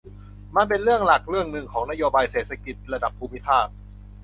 มันเป็นเรื่องหลักเรื่องนึงของนโยบายเศรษฐกิจระดับภูมิภาค